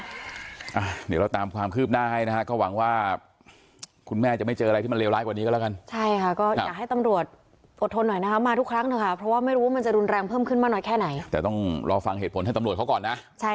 เดี๋ยวเราตามความคืบหน้าให้นะฮะก็หวังว่าคุณแม่จะไม่เจออะไรที่มันเลวร้ายกว่านี้ก็แล้วกัน